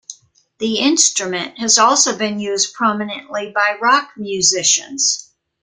The instrument has also been used prominently by rock musicians.